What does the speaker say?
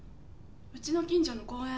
家の近所の公園。